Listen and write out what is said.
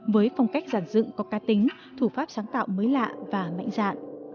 với phong cách giản dựng có ca tính thủ pháp sáng tạo mới lạ và mạnh dạn